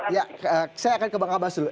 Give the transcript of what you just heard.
ya saya akan ke bangkabas dulu